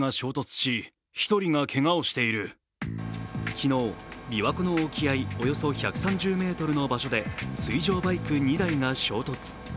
昨日、琵琶湖の沖合およそ１３０ｍの場所で水上バイク２台が衝突。